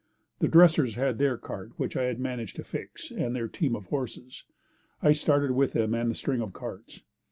The Dressers had their cart which I had managed to fix and their team of horses. I started with them and the string of carts.